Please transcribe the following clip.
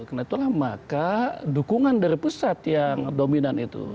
karena itulah maka dukungan dari pusat yang dominan itu